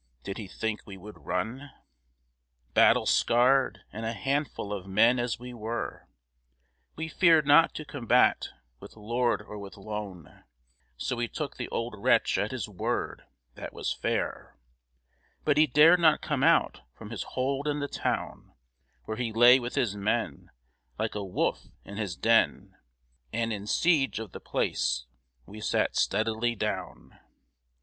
did he think we would run? Battle scarred, and a handful of men as we were, We feared not to combat with lord or with lown, So we took the old wretch at his word that was fair; But he dared not come out from his hold in the town Where he lay with his men, Like a wolf in his den; And in siege of the place we sat steadily down.